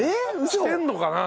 してんのかな？